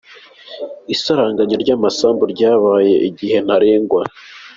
Isaranganywa ry’amasambu ryahawe igihe ntarengwa